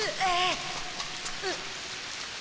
あっ！